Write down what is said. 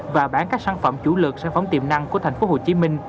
và bán các sản phẩm chủ lực sản phẩm tiềm năng của tp hcm